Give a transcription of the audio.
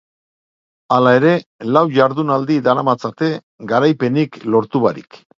Hala ere, lau jardunaldi daramatzate garaipenik lortu barik.